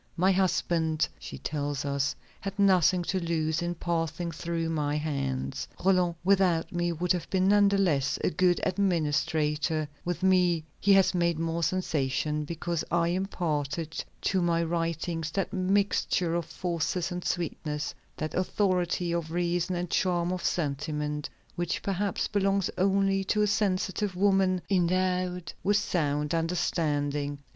"My husband," she tells us, "had nothing to lose in passing through my hands. Roland, without me, would have been none the less a good administrator; with me, he has made more sensation, because I imparted to my writings that mixture of force and sweetness, that authority of reason and charm of sentiment, which perhaps belongs only to a sensitive woman, endowed with sound understanding."